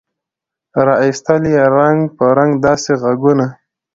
را ایستل یې رنګ په رنګ داسي ږغونه